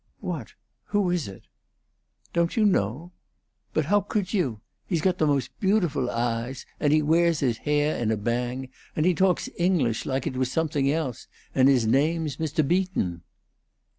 "What who is it?" "Don't you know? But ho' could you? He's got the most beautiful eyes, and he wea's his hai' in a bang, and he talks English like it was something else, and his name's Mr. Beaton."